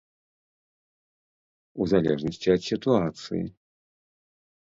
У залежнасці ад сітуацыі.